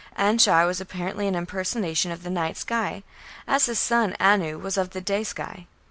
Anshar was apparently an impersonation of the night sky, as his son Anu was of the day sky.